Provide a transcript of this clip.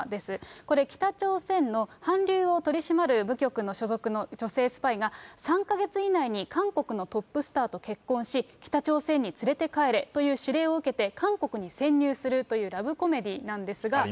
これ、北朝鮮の韓流を取り締まる部局の所属の女性スパイが３か月以内に韓国のトップスターと結婚し、北朝鮮に連れて帰れという指令を受けて、韓国に潜入するというラブコメディーなんですが。